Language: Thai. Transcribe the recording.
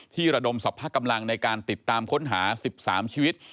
ระดมสรรพกำลังในการติดตามค้นหา๑๓ชีวิต